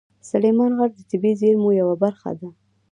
سلیمان غر د طبیعي زیرمو یوه برخه ده.